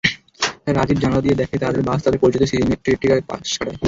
রাজীব জানালা দিয়ে দেখে তাদের বাস তাদের পরিচিত সিমেট্রিটাকে পাশ কাটায়।